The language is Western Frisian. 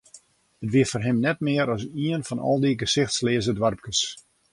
It wie foar him net mear as ien fan al dy gesichtleaze doarpkes.